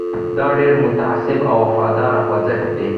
دا ډېر متعصب او وفادار خوځښت دی.